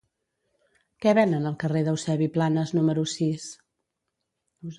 Què venen al carrer d'Eusebi Planas número sis?